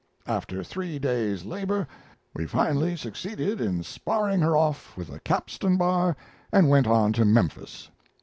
After three days' labor we finally succeeded in sparring her off with a capstan bar, and went on to Memphis.